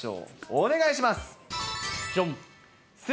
お願いします。